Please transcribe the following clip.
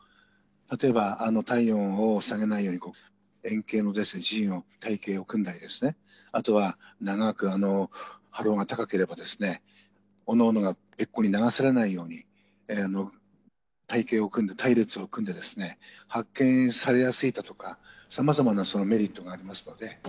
例えば体温を下げないように、円形の陣の隊形を組んだりですね、あとは長く波浪が高ければ、おのおのが別個に流されないように、隊形を組んで、隊列を組んでですね、発見されやすいだとか、さまざまなメリットがありますので。